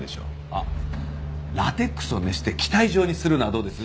あっラテックスを熱して気体状にするのはどうです？